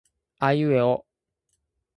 aiueo